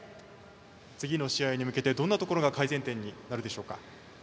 次の試合に向けてどんなところが改善点になるでしょうか？